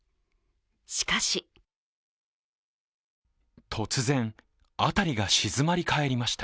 しかし突然、辺りが静まり返りました。